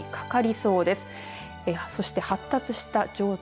そして発達した状態